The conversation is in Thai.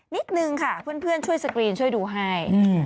นิดนึงค่ะเพื่อนช่วยสกรีนช่วยดูให้